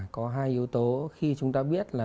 có hai yếu tố khi chúng ta biết là